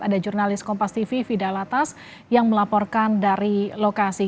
ada jurnalis kompas tv fidalatas yang melaporkan dari lokasi